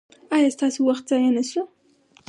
ایا ستاسو وخت ضایع نه شو؟